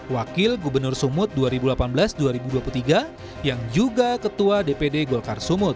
wakil gubernur sumut dua ribu delapan belas dua ribu dua puluh tiga yang juga ketua dpd golkar sumut